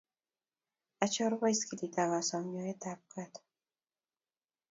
achor poskilit akasom nyoet ap kaat.